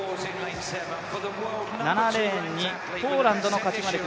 ７レーンにポーランドのカチュマレク